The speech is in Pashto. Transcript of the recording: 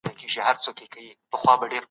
حضوري زده کړه د همکارۍ مهارت پياوړی کوي.